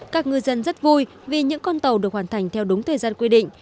các ngư dân rất vui vì những con tàu được hoàn thành theo đúng thời gian quy định